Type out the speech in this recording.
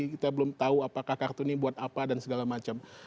kita belum tahu apakah kartu ini buat apa dan segala macam